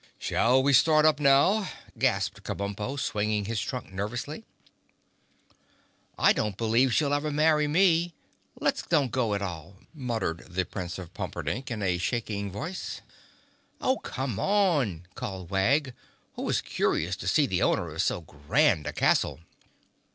"Shall we start up now?" gasped Kabumpo, swinging his trunk nervously. "I don't believe she'll ever marry me. Let's don't go at all," muttered the Prince of Pumperdink in a shaking voice. "Oh, come on!" called Wag, who was curious to see the owner of so grand a castle.